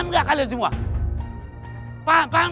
gak adaondupation borno